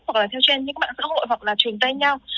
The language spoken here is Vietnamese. hoặc là theo trend những bạn xã hội hoặc là truyền tay nhau